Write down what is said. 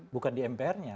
bukan di mpr nya